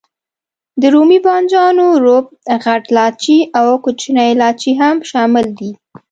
د رومي بانجانو روب، غټ لاچي او کوچنی لاچي هم شامل دي.